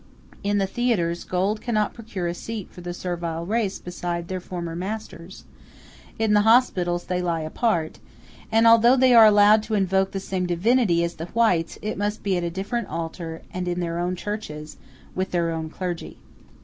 In the theatres, gold cannot procure a seat for the servile race beside their former masters; in the hospitals they lie apart; and although they are allowed to invoke the same Divinity as the whites, it must be at a different altar, and in their own churches, with their own clergy.